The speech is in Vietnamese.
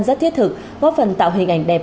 rất thiết thực góp phần tạo hình ảnh đẹp